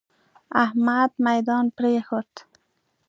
احمد ميدان پرېښود.